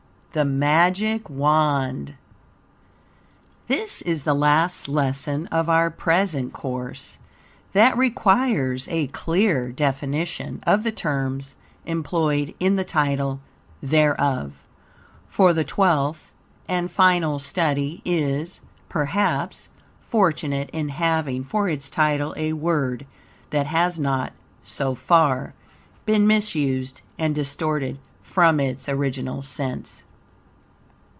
THE MAGIC WAND This is the last lesson of our present course that requires a clear definition of the terms employed in the title thereof, for the twelfth, and final study is, perhaps, fortunate in having for its title a word that has not, so far, been misused and distorted from its original sense.